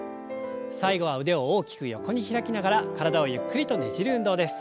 最後は腕を大きく横に開きながら体をゆっくりとねじる運動です。